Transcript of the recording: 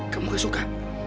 kamu gak suka